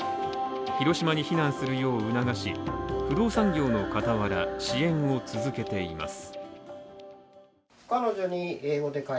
広島に避難するよう促し、不動産業の傍ら支援を続けています。